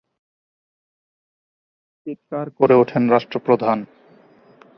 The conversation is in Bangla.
চিৎকার করে ওঠেন রাষ্ট্রপ্রধান।